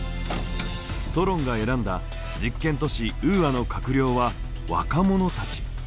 ソロンが選んだ実験都市ウーアの閣僚は若者たち。